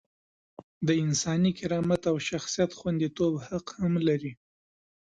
د انساني کرامت او شخصیت خونديتوب حق هم لري.